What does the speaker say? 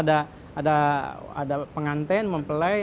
ada penganten mempelai